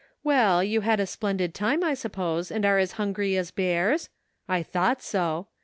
Well, you had a splen did time, I suppose, and are as hungry as bears? I thought so.